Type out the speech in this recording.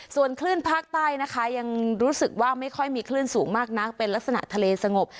ส่วนคลื่นภาคใต้นะคะยังรู้สึกว่าไม่ค่อยมีคลื่นสูงมากนักเป็นลักษณะทะเลสงบ